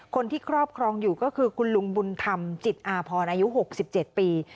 ครอบครองอยู่ก็คือคุณลุงบุญธรรมจิตอาพรอายุ๖๗ปี